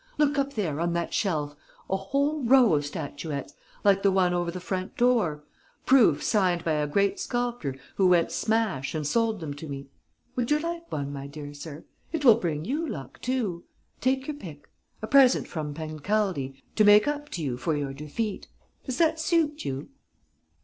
Look up there, on that shelf, a whole row of statuettes, like the one over the front door, proofs signed by a great sculptor who went smash and sold them to me.... Would you like one, my dear sir? It will bring you luck too. Take your pick! A present from Pancaldi, to make up to you for your defeat! Does that suit you?"